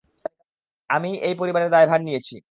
আমিই এই পরিবারের দায়ভার নিয়েছি।